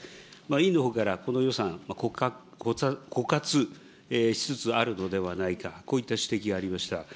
委員のほうからこの予算、枯渇しつつあるのではないか、こういった指摘がありました。